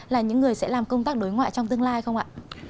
là những người sẽ làm công tác đối ngoại trong tương lai không ạ